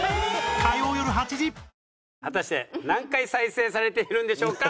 果たして何回再生されているんでしょうか。